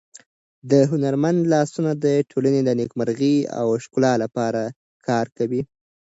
د هنرمند لاسونه د ټولنې د نېکمرغۍ او ښکلا لپاره کار کوي.